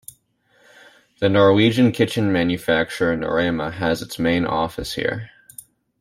The Norwegian kitchen manufacturer Norema has its main office here.